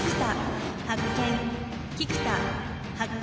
菊田発見。